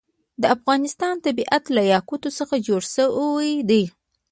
د افغانستان طبیعت له یاقوت څخه جوړ شوی دی.